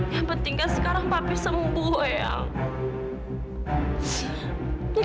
yang pentingkan sekarang papi sembuh ayah